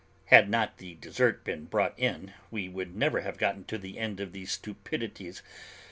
Had not the dessert been brought in, we would never have gotten to the end of these stupidities.